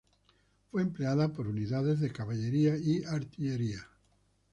Fue empleada por unidades de Caballería y Artillería.